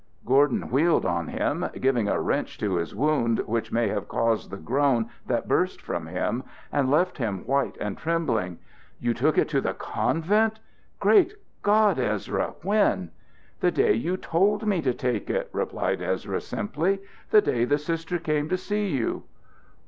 Gordon wheeled on him, giving a wrench to his wound which may have caused the groan that burst from him, and left him white and trembling. "You took it to the convent! Great God, Ezra! When?" "The day you told me to take it," replied Ezra, simply. "The day the Sister came to see you."